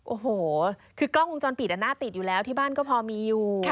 โอ้โหคือกล้องวงจรปิดน่าติดอยู่แล้วที่บ้านก็พอมีอยู่